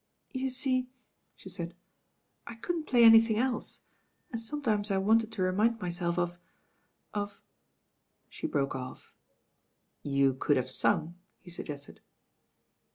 "You see," she said, "I couldn't play anything else, and sometimes I wanted to remind myself of — of " she broke off. "You could have sung?" he suggested.